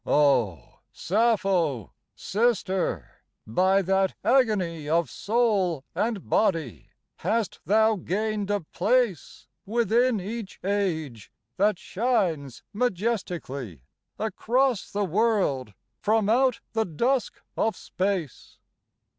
Oh! Sappho, sister, by that agony Of soul and body hast thou gained a place Within each age that shines majestic'ly Across the world from out the dusk of space.